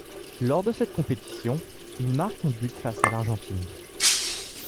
Lors de cette compétition, il marque un but face à l'Argentine.